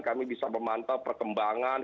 kami bisa memantau perkembangan